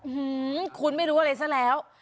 อืมคุณไม่รู้อะไรซะแล้ว